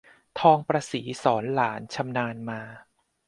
ทองประศรีสอนหลานชำนาญมา